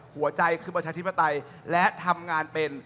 หัวใจคือประชาธิปไตยและทำงานเป็น